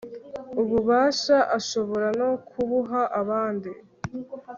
ububasha ashobora no kubuha abandi